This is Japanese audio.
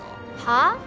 はあ？